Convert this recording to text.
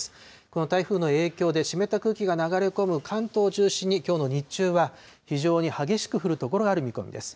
この台風の影響で、湿った空気が流れ込む関東を中心に、きょうの日中は非常に激しく降る所がある見込みです。